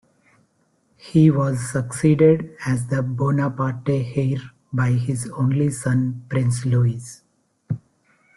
He was succeeded as the Bonaparte heir by his only son Prince Louis.